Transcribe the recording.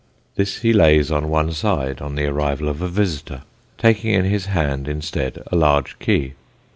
This he lays on one side on the arrival of a visitor, taking in his hand instead a large key.